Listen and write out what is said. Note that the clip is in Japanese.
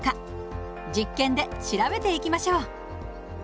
実験で調べていきましょう。